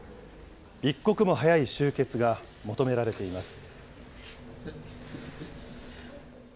一刻も早い終結が求められています。